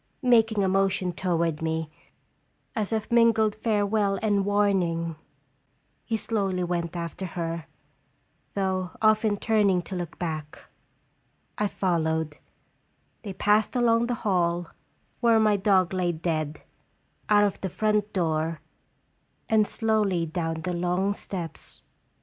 Making a motion toward me, as of mingled farewell and warning, he slowly went after her, though often turning to look back. I followed. They passed along the hall, where my dog lay dead, out of the front door, and llje IDeab jDDeab?" 319 slowly down the long steps.